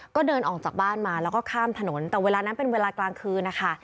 ก็เดินออกจากบ้านมาแล้วก็ข้ามถนนแต่เวลานั้นเป็นเวลากลางคืนนะคะ